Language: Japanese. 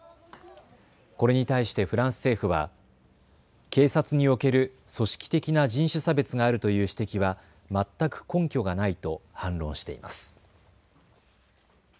これに対してフランス政府は警察における組織的な人種差別があるという指摘は全く根拠がないと反論しています。